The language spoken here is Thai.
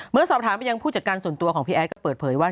เมื่อสอบถามไปยังผู้จัดการส่วนตัวของพี่แอดก็เปิดเผยว่า